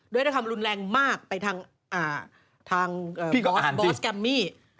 ด้วยคำรุนแรงมากไปทางทางบอสกัมมิ